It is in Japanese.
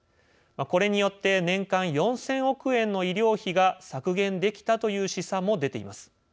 これによって年間４０００億円の医療費が削減できたという試算も出ています。